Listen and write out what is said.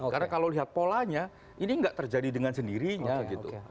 karena kalau lihat polanya ini tidak terjadi dengan sendirinya gitu